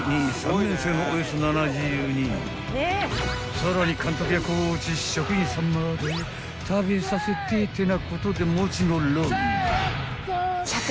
［さらに監督やコーチ職員さんまで食べさせてってなことでもちのろん］